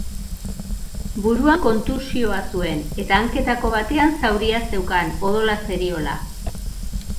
Buruan kontusioa zuen, eta hanketako batean zauria zeukan, odola zeriola.